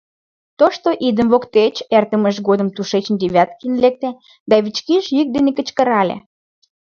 Тошто идым воктеч эртымышт годым тушечын Девяткин лекте да вичкыж йӱк дене кычкырале: